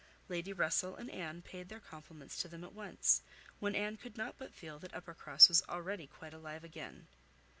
Lady Russell and Anne paid their compliments to them once, when Anne could not but feel that Uppercross was already quite alive again.